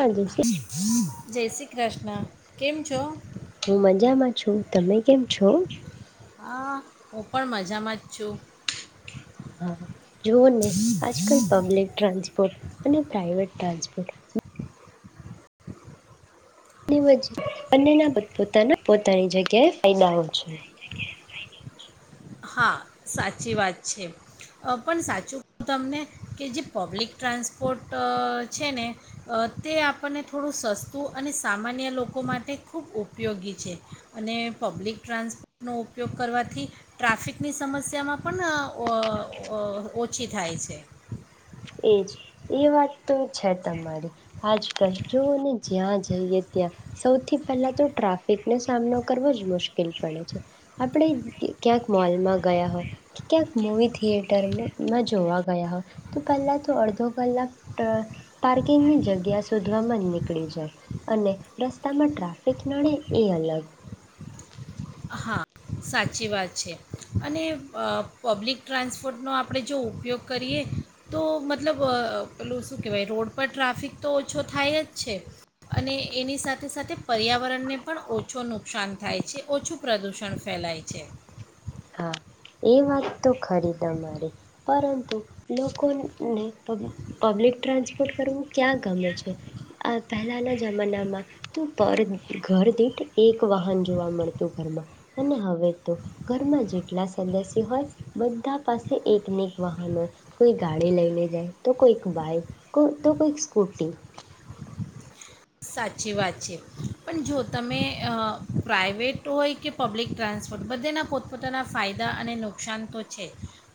હા જસી જાય શ્રી કૃષ્ણ કેમ છો. હું મજામાં છું તમે કેમ છો. હા હું પણ મજામાં જ છું. હા જોઓને આજકાલ પબ્લિક ટ્રાન્સપોર્ટ અને પ્રાઇવેટ ટ્રાન્સપોર્ટ. [inaudible] વચ્ચે એને એના પોતપોતાના પોતાની જગ્યાએ ફાયદાઓ છે. હા સાચી વાત છે આ પણ સાચું કું તમને કે જે પબ્લિક ટ્રાન્સપોર્ટ છે ને તે આપણને થોડું સસ્તું અને સામાન્ય લોકો માટે ખૂબ ઉપયોગી છે અને પબ્લિક ટ્રાન્સપોર્ટનો ઉપયોગ કરવાથી. ટ્રાફિકની સમસ્યામાં પણ અ અ ઓછી થાય છે. એજ એ વાત. તો છે તમારી આજકાલ જોઓને જ્યાં જ. જઈએ ત્યાં સૌથી પહેલા તો ટ્રાફિકનો સામનો કરવો જ મુશ્કેલ પડે છે આપણે ક્યાં ક્યાંક મોલમાં ગયા હોય કે ક્યાંક મવી થિયેટરમાં જોવા ગયા હોય. પહેલા તો અડધો કલાક પાર્કિંગની જગ્યા શોધવામાં જ નીકળી જાય અને રસ્તામાં ટ્રાફિક નડે એ અલગ. હા સાચી વાત છે અને અ પબ્લિક ટ્રાન્સપોર્ટનો આપણે જો ઉપયોગ કરીએ તો મતલબ અ પેલું શું કહેવાય રોડ પર ટ્રાફિક તો ઓછો થાય જ છે અને એની સાથે સાથે પર્યાવરણને પણ ઓછું નુકસાન થાય છે ઓછું પ્રદૂષણ ફેલાય છે હા એ વાત તો ખરી તમારી પરંતુ લોકોને પ પબ્લિક ટ્રાન્સપોર્ટ કરવું ક્યાં ગમે છે આ પહેલાના જમાનામાં તો પર ઘર દીઠ એક વાહન જોવા મળતું ઘરમાં અને હવે તો ઘરમાં જેટલા સદસ્ય હોય બધા પાસે એકને એક વાહન હોય કોઈ ગાડી લઈને જાય તો કોઈક બાઈક તો કોઈક સ્કૂટી સાચી વાત છે પણ જો તમે અ પ્રાઇવેટ હોય કે પબ્લિક ટ્રાન્સપોર્ટ બધેના પોતપોતાના ફાયદા અને નુકસાન તો છે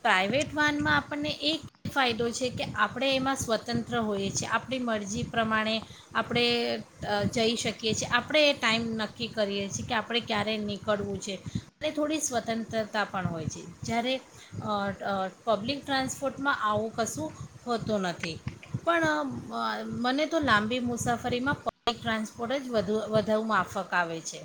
પ્રાઇવેટ વાહનમાં આપણને એક ફાયદો છે કે આપણે એમાં સ્વતંત્ર હોઈએ છે એ આપણી મરજી પ્રમાણે આપણે અ જઈ શકીએ છીએ આપણે એ ટાઈમ નક્કી કરીએ છીએ કે આપણે ક્યારેય નીકળવું છે અને થોડી સ્વતંત્રતા પણ હોય છે જ્યારે અ અ પબ્લિક ટ્રાન્સપોર્ટમાં આવું કશું હોતું નથી પણ અ મને તો લાંબી મુસાફ ફરીમાં પબ્લિક ટ્રાન્સપોર્ટ જ વધુ વધુ માફક આવે છે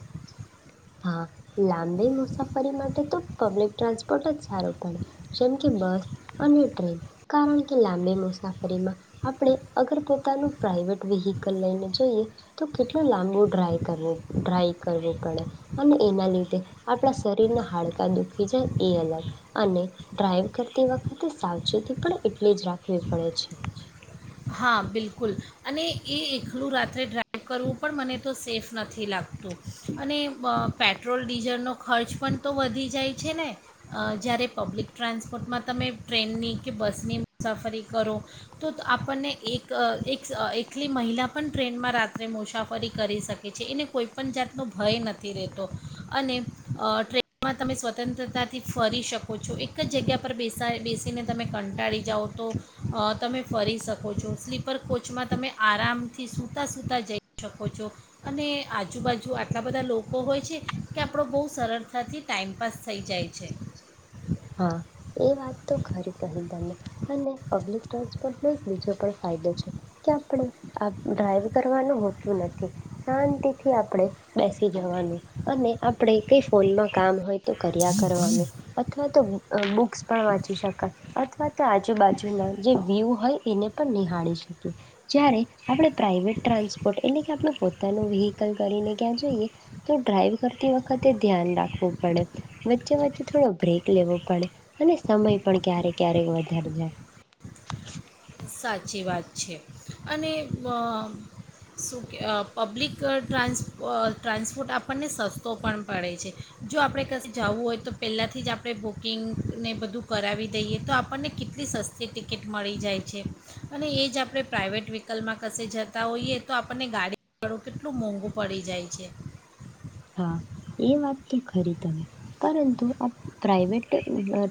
હા લાંબી મુસાફરી માટે તો પબ્લિક ટ્રાન્સપોર્ટ જ સારું પડે જેમ કે બસ અને ટ્રેન કારણ કે લાંબી મુસાફરીમાં આપણે અગર પોતાનું પ્રાાઈવેટ વેહીકલ લઈને જઈએ તો કેટલો લાંબો ડ્રાઈ કરવો ડ્રાઈ કરવો પડે અને એના લીધે આપણા શરીરના હાડકા દુખી જાય એ અલગ અને ડ્રાઈવ કરતી વખતે સાવચેતી પણ એટલી જ રાખવી પડે છે હા બિલકુલ અને એ એકલું રાત્રે ડ્રાઇવ કરવું પણ મને તો સેફ નથી લાગતું અને પેટ્રોલ ડીઝલનો ખર્ચ પણ તો વધી જાય છે ને અ જ્યારે પબ્લિક ટ્રાન્સપોર્ટમાં તમે ટ્રેનની કે બસની મુસાફરી કરો તો આપ પણને એક એક એકલી મહિલા પણ ટ્રેનમાં રાત્રે મુસાફરી કરી શકે છે એને કોઈપણ જાતનો ભય નથી રહેતો અને ટ્રેનમાં તમે સ્વતંત્રતાથી ફરી શકો છો એક જ જગ્યા પર બેસા બેસીને તમે કંટાળી જાઓ તો અ તમે ફરી શકો શકો છો સ્લીપર કોચમાં તમે આરામ સૂતા સુૂતા જઈ શકો છો અને આજુબાજુ આટલા બધા લોકો હોય છે કે આપણો બહુ સરળતાથી ટાઈમપાસ થઈ જાય છે હા એ વાત તો ખરી કહી તમે અને પબ્લિક ટ્રાન્સપોર્ટ નો એક બીજો પણ ફાયદો છે કે આપણે ડ્રાઈવ કરવાનું હોતું નથી શાંતિથી આપણે બેસી જવાનું અને આપણે કઈ ફોનમાં કામ હોય કર્યા કરવાનું બુક્સ પણ વાંચી શકાય અથવા તો આજુબાજુના જે વ્યુ હોય એને પણ નિહાળી શકીએ જ્યારે આપણે પ્રાાઈવેટ ટ્રાન્સપોર્ટ એટલે કે આપણે પોતાનું વ્હીકલ કરીને ક્યાં જઈએ તો ડ્રાઈવ કરતી વખતે ધ્યાન રાખવું પડે વચ્ચે વચ્ચે થોડો બ્રેક લેવો પડે અને સમય પણ ક્યારે ક્યારેક વધાર જાય સાચી વાત છે અને મ શું કેઅ પબ્લિક ટ્રાન્સ પ ટ્રાન્સપોર્ટ આપણને સસ્તો પણ પડે છે જો આપણે કશ જવું હોય તો પહેલાંથી જ આપણે બુકિંગને બધું કરાવી દઈએ તો આપણને કેટલી સસ્તી ટિકિટ મળી જાય છે અને એ જ આપણે પ્રાઈવેટ વ્હીકલમાં કસે જતા હોઈએ તો આપણને ગાડીળું કેટલું મોંઘુ પડી જાય છે હા એ વાત તો ખરી તમે પરંતુ આ પ્રાઈવેટ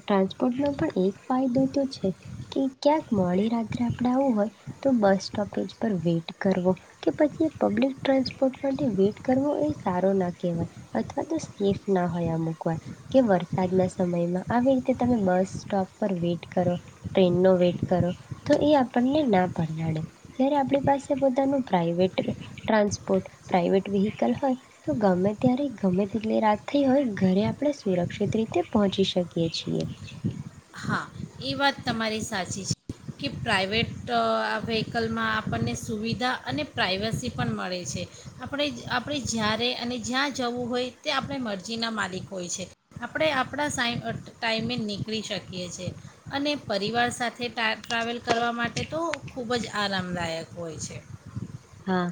ટ્રાન્સપોર્ટનો પણ એક ફાયદો તો છે કે ક્યાંક મોડી રાત્રે આપણે આવું હોય તો બસ સ્ટોપેજ પર વેઇટ કરવો કે પછી પબ્લિક ટ્રાન્સપોર્ટ માટે વેટ કરવો એ સારો ના કેવાયે અથવા તો સેફ ના હોય અમુકવાર કે વરસાદના સમયમાં આવી રીતે તમે બસ સ્ટોપ પર વેઇટ કરો ટ્રેનનો વેઇટ કરો તો એ આપણને ના પરવાડે જ્યારે આપણી પાસે પોતાનું પ્રાઇવેટ ટ્રાન્સપોર્ટ પ્રાાઈવેટ વ્હીકલ હોય તો ગવર્મે ત્યારે ગમે તેટલી રાત થઈ હોય ઘરે આપણે સુરક્ષિત રીતે પહોંચી શકીએ છીએ હા એ વાત તમારી સાચી છે કે પ્રાઇવેટ અ વ્હીકલમાં આપણને સુવિધા અને પ્રાઇવસી પણ મળે છે આપણે આપણે જ્યારે અને જ્યાં જવું હોય ત આપણે મરજીના માલિક હોય છે આપણે આપણા સા ટાઈમે નીકળી શકીએ છીએ અને પરિવાર સાથે ટા ટ્રાવેલ કરવા માટે તો ખૂબ જ આરામદાયક હોય છે હા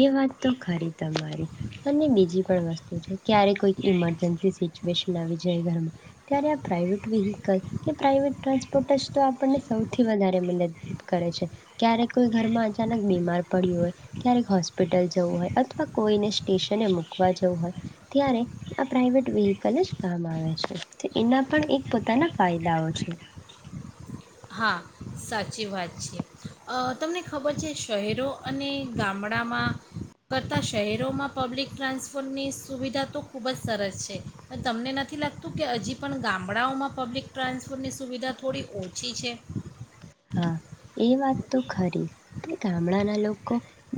એ વાત તો ખરી તમારી અને બીજી પણ વસ્તુ છે ક્યારે કોઈક ઈમરજન્સી સિચ્યુએશન આવી જય ઘરમાં ત્યારે આ પ્રાઇવેટ વેહીકલ કે પ્રાઇવેટ ટ્રાન્સપોર્ટ જ તો આપણને સૌથી વધારે મદદ કરે છે ક્યારેક કોઈ ઘરમાં અચાનક બીમાર પડ્યું હોય. ક્યારેક હોસ્પિટલ જવું હોય અથવા કોઈને સ્ટેશને મકવા જવું હોય ત્યારે આ પ્રઇવેટ વેહકલ જ કામ આવે છે એના પણ એક પોતાના ફાયદાઓ છે હા સાચી વાત છે તમને ખબર છે શહેરો અને ગામડામાં કરતાં શહેરોમાં પબ્લિક ટ્રાન્સપોર્ટની સુવિધા તો ખૂબ જ સરસ છે પણ તમને નથી લાગતું કે હજી પણ ગામડાઓમાં પબ્લિક ટ્રાન્સપોર્ટની સુવિધા થોડી ઓછી પ ઠી છે હા એ વાત. તો ખરી પણ ગામડાના લોકો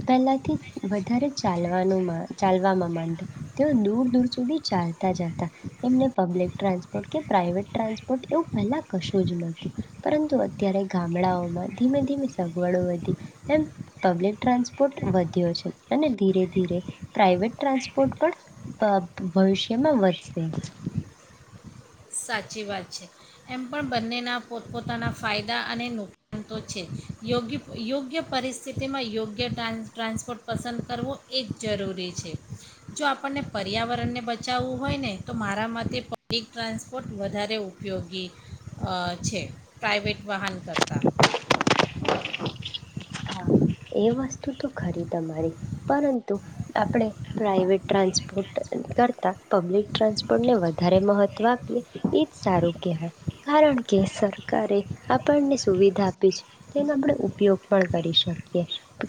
પહેલાથી વધારે ચાલવાનું ચાલવામાં માનતા તેઓ દૂર દૂર સુધી ચાલતા જતા એમને પબ્લિક ટ્રાન્સપોર્ટ કે પ્રાાઈવેટ ટ્રાન્સપોર્ટ એવું પહેલા કશું જ નું પરંતુ અત્યારે ગામડાઓમાં ધીમે ધીમે સગવડો વધી એમ પબ્લિક ટ્રાન્સપોર્ટ વધ્યો છે અને ધીરે ધીરે પ્રાઇવેટ ટ્રાન્સપોર્ટ પણ ભવિષ્યમાં વધશે. સાચી વાત છે એમ પણ બંનેના પોતપોતાના ફાયદા અને નુકસાન તો છે યોગ્ય યોગ્ય પરિસ્થિતિમાં યોગ્ય ટ્રાન્ ટ્રાન્સપોર્ટ પસંદ કરવો એ જ જરૂરી છે જો આપણને પર્યાવરણને બચાવવું હોય ને તો મારા માટે પબ્લિક ટ્રાન્સ બટ વધારે ઉપયોગી છે પ્રાઇવેટ વાહન કરતાં હા એ વસ્તુ તો ખરી તમારી પરંતુ આપણે પ્રાઇવેટ ટ્રાન્સપોર્ટ કરતાં પબ્લિક ટ્રાન્સપોર્ટને વધારે મહત્ત્વ આપીએ એ જ સારું કહેવાય કારણ કે સરકારે આપણને સુવિધા આપી છે તેનો આપણે ઉપયોગ પણ કરી શકીએ.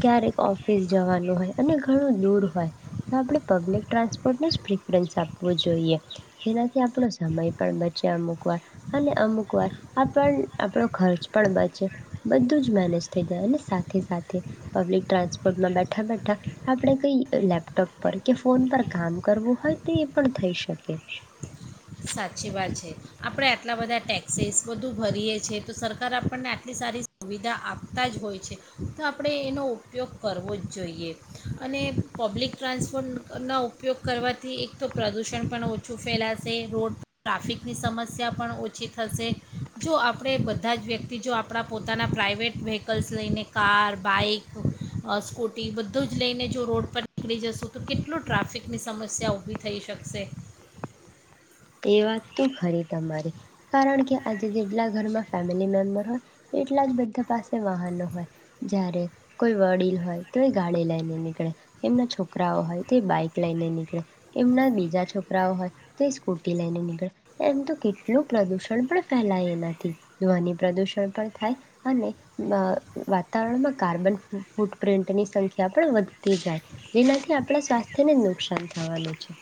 ક્યારેક ઓફિસ જવાનું હોય અને ઘણું દૂર હોય તો આપણે પબ્લિક ટ્રાન્સપોર્ટને જ પ્રિફરન્સ આપવું જોઈએ જેનાથી આપણો સમય પણ બચે અમુક વાર અને અમુક વાર આપણ આપણો ખર્ચ પણ બચે બધું જ મેનેજ થઈ જાય અને સાથે સાથે પ્લિક ટ્રાન્સપોર્ટમાં બેઠા બેઠા આપણે કઈ લેપટોપ પર કે ફોન પર કામ કરવું હોય તો એ પણ થઈ શકે. સાચી વાત છે આપણે આટલા બધા ટેક્સીસ બધું ભરીએ છીએ તો સરકાર આપણને આટલી સારી સુવિધા આપતા જ હોય છે તો આપણે એનો ઉપયોગ કરવો જ જોઈએ અને પબ્લિક ટ્રાન્સપોર્ટના ઉપયોગ કરવાથી એક તો પ્રદૂષણ પણ ઓછું ફેલાશે. રોડ ટ્રાફિકની સમસ્યા પણ ઓછી થશે જો આપણે બધા જ વ્યક્તિ જો આપણા પોતાના પ્રાઇવેટ વ્હીકલ્સ લઈને કાર [unintelligible] સ્કૂટી બધું જ લઈને જો રોડ પર નીકળી જશું તો કેટલું ટ્રાફિકની સમસ્યા ઊભી થઈ શકશે. એ વાત તો ખરી તમારી કારણ કે આજે જેટલા ઘરમાં ફેમિલી મેમ્બર હોય એટલા જ બધા પાસે વાહનો હોય જયારે કોઈ વડીલ હોય તો એ ગાડી લઈને નીકળે એમના છોકરાઓ હોય તો બાઈક લઈને નીકળે એમના બીજા છોકરાઓ હોય તો ફૂટી લઈને નીકળે એમ તો કેટલું પ્રદુષણ પણ ફેલાય એના ધોની પ્રદુષણ પણ થાય અને વાતાવરણમાં કાર્બન ફૂટપ્રિન્ટની સંખ્યા પણ વધતી જાય જેનાથી આપણા સ્વાસ્થ્યને જ નુકસાન થવાનું છે.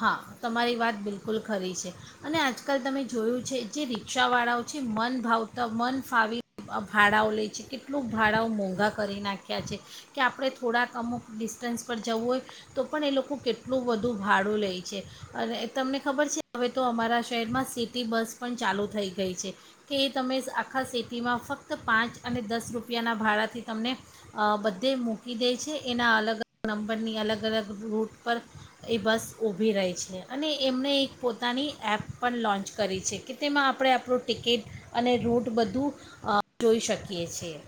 હા તમારી વાત બિલકુલ ખરી છે અને આજકાલ તમે જોયું છે જે રિક્ષાવાળાઓ છે મન ભાવતા મન ફાવી ભાડાઓ લે છે કેટલુંક ભાડાઓ મોંઘા કરી નાખ્યા છે કે આપણે થોડાક અમુક ડિસ્ટન્સ પર જવું હોય તો પણ એ લોકો કેટલું બધું ભાડું લે. છે અને તમને ખબર છે હવે તો અમારા શહેરમાં સિટી બસ પણ ચાલુ થઈ ગઈ છે કે એ તમે આખા સિટીમાં ફક્ત પાંચ અને દસ રૂપિયાના ભાડાથી તમને બધે મૂકી દે છે એના અલગ અલગ નંબરની અલગ અલગ રૂટ પર એ બસ. ઊભી રહી છે અને એમણે એક પોતાની એપ પણ લોન્ચ કરી છે કે તેમાં આપણે આપણું ટિકિટ અને રૂટ બધું જોઈ શકીએ છીએ.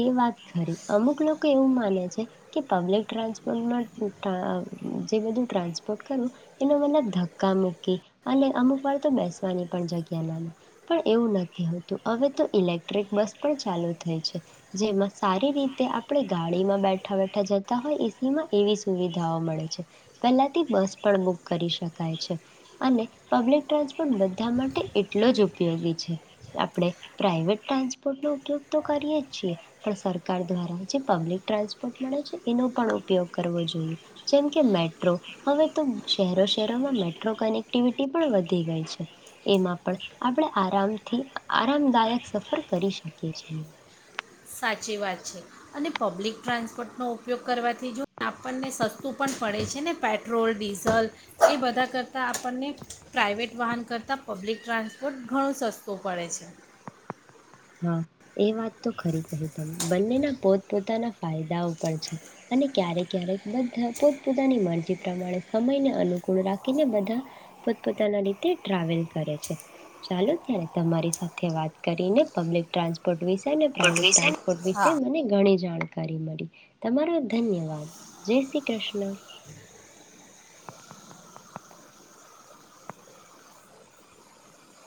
એ વાત ખરી અમુક લોકો એવું માને છે કે પબ્લિક ટ્રાન્સપોર્ટમાં જે બધું ટ્રાન્સપોર્ટ કરવું એનો મતલબ ધક્કા મૂકી અને અમુક વાર તો બેસવાની પણ જગ્યા નામ પણ એવું નથી હોતું હવે તો ઇલેક્ટ્રિક બસ પણ ચાલુ થઈ છે. જેમાં સારી રીતે આપણે ગાડીમાં બેઠા બેઠા જતા હોય એસી માં એવી સુવિધાઓ મળે છે પહેલાથી બસ પણ બુક કરી શકાય છે અને પબ્લિક ટ્રાન્સપોર્ટ બધા માટે એટલો જ ઉપયોગી છે આપણે પ્રાાઈવેટ ટ્રાન્સપોર્ટનોો ઉપયોગ તો કરીએ જ. છી પણ સરકાર દ્વારા જે પબ્લિક ટ્રાન્સપોર્ટ મળે છે એનો પણ ઉપયોગ કરવો જોઈએ જેમકે મેટ્રો હવે તો શહેરો શહેરોમાં મેટ્રો કનેક્ટિવિટી પણ વધી ગઈ છે એમાં પણ આપણે આરામથી આરામદાયક સફર કરી શકીએ છીએ. સાચી વાત છે અને પબ્લિક ટ્રાન્સપોર્ટનો ઉપયોગ કરવાથી જો આપણને સસ્તું પણ પડે છે ને પેટ્રોલ ડીઝલ એ બધા કરતાં આપણને પ્રાઇવેટ વાહન કરતાં પબ્લિક ટ્રાન્સપોર્ટ ઘણું સસ્તું પડે છે. હા એ વાત તો ખરી કહી તમે બંનેના પોતપોતાના ફાયદાઓ પણ છે અને ક્યારેક ક્યારેક બધા પોતપોતાની મરજી પ્રમાણે સમયને અનુકૂળ રાખીને બધા પોતપોતાના રીતે ટ્રાવેલ કરે છે ચાલો ત્યારે તમારી સાથે વાત કરીને. પબ્લિક ટ્રન્સપર્ટ વિશે ને પ્રાઇવેટ પૃથ્વી સેન ટ્રાન્સપોર્ટ વિશે મને ગણી જ જાણકારી મળ તમારો ધન્યવાદ જય શ્રી કૃષ્ણ.